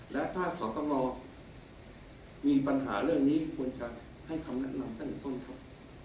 และถ้าสตงมีปัญหาเรื่องนี้ควรจะให้คำแนะนำตั้งแต่ต้นครับ